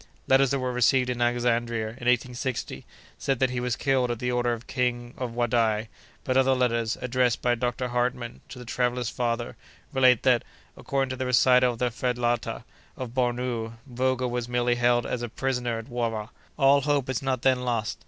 Letters that were received in Alexandria, in 1860, said that he was killed at the order of the King of Wadai; but other letters, addressed by Dr. Hartmann to the traveller's father, relate that, according to the recital of a felatah of Bornou, Vogel was merely held as a prisoner at Wara. All hope is not then lost.